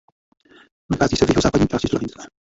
Nachází se v jihozápadní části Slovinska.